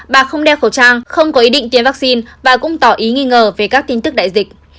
bà không đeo khẩu trang không có ý định tiêm vaccine và cũng tỏ ý nghi ngờ về các tin tức đại dịch